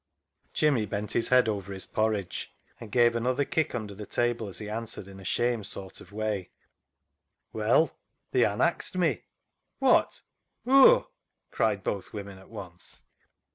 Jimmy bent his head over his porridge, GIVING A MAN AWAY 89 and gave another kick under the table as he answered, in a shamed sort of way —" Well, they'an axed me." " Wot ! Whoa ?" cried both women at once.